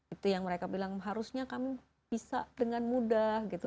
itu yang mereka bilang harusnya kami bisa dengan mudah gitu